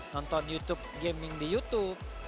nonton youtube gaming di youtube